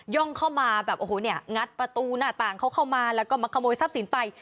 ่องเข้ามาแบบโอ้โหเนี่ยงัดประตูหน้าต่างเขาเข้ามาแล้วก็มาขโมยทรัพย์สินไป